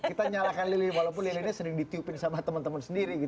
kita nyalakan lilin walaupun lili sering ditiupin sama teman teman sendiri